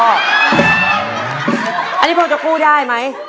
อันนี้พอจะกู้ได้ไหม